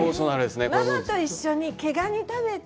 ママと一緒に毛ガニを食べて、